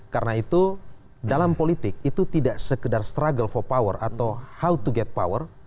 karena itu dalam politik itu tidak sekedar struggle for power atau how to get power